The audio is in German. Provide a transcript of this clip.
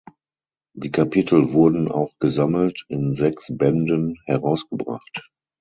Die Kapitel wurden auch gesammelt in sechs Bänden herausgebracht.